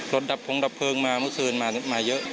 ดับพงดับเพลิงมาเมื่อคืนมาเยอะ